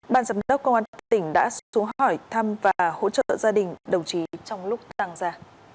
ban giám đốc công an tỉnh đã xuống hỏi thăm và hỗ trợ gia đình đồng chí trong lúc tăng ra